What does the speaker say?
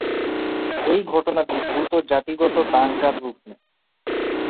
এই ঘটনাটি দ্রুত জাতিগত দাঙ্গার রূপ নেয়।